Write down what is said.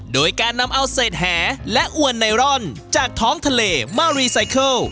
โดยการนำเอาเศษแหและอวนไนรอนจากท้องทะเลมารีไซเคิล